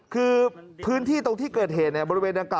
คือพื้นที่ตรงที่เกิดเหตุบริเวณดังกล่า